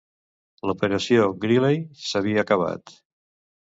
L'operació "Greeley" s'havia acabat.